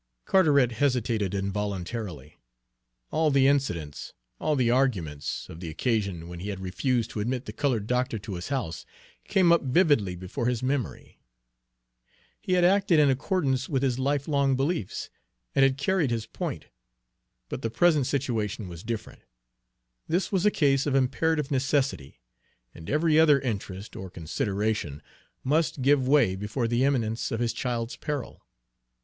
Carteret hesitated involuntarily. All the incidents, all the arguments, of the occasion when he had refused to admit the colored doctor to his house, came up vividly before his memory. He had acted in accordance with his lifelong beliefs, and had carried his point; but the present situation was different, this was a case of imperative necessity, and every other interest or consideration must give way before the imminence of his child's peril.